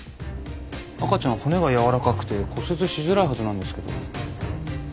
赤ちゃんは骨が軟らかくて骨折しづらいはずなんですけど。